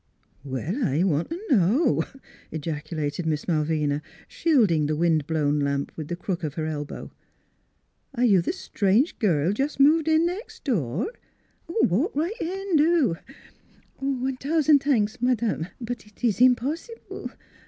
"" Well, I want t' know !" ejaculated Miss Mal vina, shielding the wind blown lamp with the crook of her elbow. " Are you the strange girl jest moved in nex' door? Walk right in; do! " "One t'ousand t'anks, madame; but it ees im possible.